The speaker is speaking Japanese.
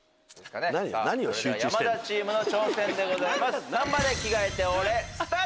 それでは山田チームの挑戦でございます。